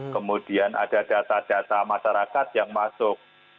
kemudian ada data data masyarakat yang masuk